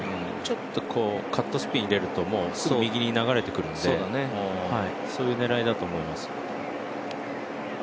ちょっとカットスピン入れるとすぐ右に流れてくれるのでそういう狙いだと思います。